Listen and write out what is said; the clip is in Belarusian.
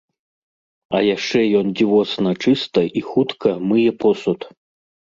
А яшчэ ён дзівосна чыста і хутка мые посуд!